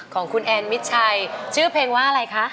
ของคุณแอนมิดชัยชื่อเพลงว่าอะไรคะ